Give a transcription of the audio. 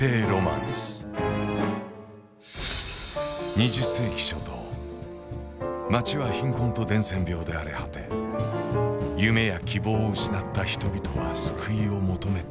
２０世紀初頭街は貧困と伝染病で荒れ果て夢や希望を失った人々は救いを求めていた。